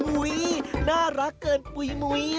อุ้ยน่ารักเกินปุ๋ย